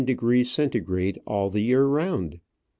degrees Centigrade all the year round.